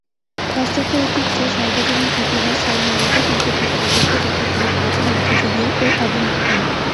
পাশ্চাত্য ঐতিহ্যে সার্বজনীন ইতিহাস সাধারণত তিনটি ভাগে বিভক্ত, যথাক্রমে প্রাচীন, মধ্যযুগীয় ও আধুনিক কাল।